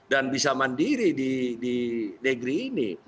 dan bisa mandiri di negeri ini